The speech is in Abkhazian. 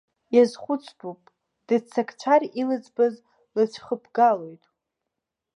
Иазхәыцтәуп, дыццакцәар, илыӡбаз лыцәхыбгалоит.